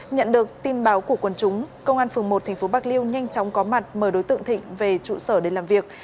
nhận được tin báo của quân chúng công an phường một tp bạc liêu nhanh chóng có mặt mời đối tượng thịnh về trụ sở để làm việc